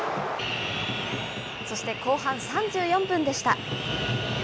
そして後半３４分でした。